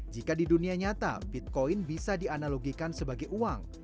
jika di dunia nyata bitcoin bisa dianalogikan sebagai uang